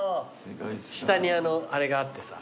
下にあのあれがあってさ。